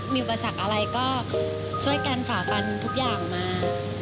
มีประสักตรงอะไรก็ช่วยกันฝาฟันทุกอย่างมา